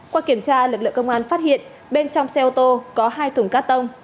qua kiểm tra lực lượng công an phát hiện bên trong xe ô tô có hai thùng cát tông